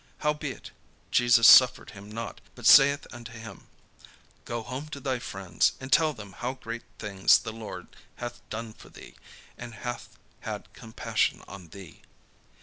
Howbeit Jesus suffered him not, but saith unto him: "Go home to thy friends, and tell them how great things the Lord hath done for thee, and hath had compassion on thee."